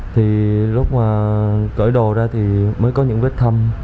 thì lúc mà cởi đồ ra thì mới có những vết thâm